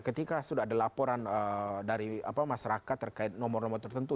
ketika sudah ada laporan dari masyarakat terkait nomor nomor tertentu